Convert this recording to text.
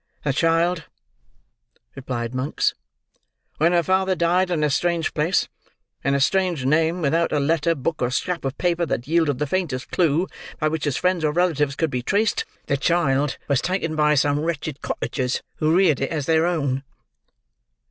"The child," replied Monks, "when her father died in a strange place, in a strange name, without a letter, book, or scrap of paper that yielded the faintest clue by which his friends or relatives could be traced—the child was taken by some wretched cottagers, who reared it as their own."